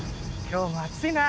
今日も暑いな！